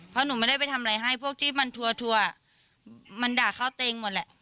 เพราะหนูไม่ได้ไปทำอะไรให้พวกที่มันทัวร์มันด่าเขาเต็งหมดแหละ